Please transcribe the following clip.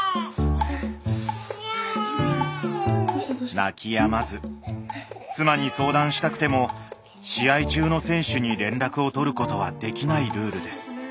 泣きやまず妻に相談したくても試合中の選手に連絡を取ることはできないルールです